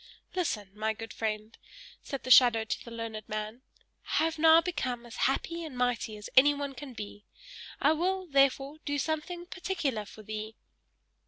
"Listen, my good friend," said the shadow to the learned man. "I have now become as happy and mighty as anyone can be; I will, therefore, do something particular for thee!